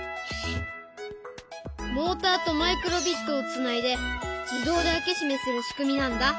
モーターとマイクロビットをつないで自動で開け閉めする仕組みなんだ。